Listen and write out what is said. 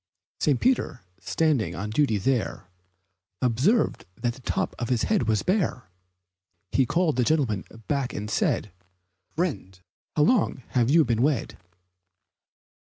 St. Peter, standing on duty there, Observed that the top of his head was bare. He called the gentleman back and said, "Friend, how long have you been wed?"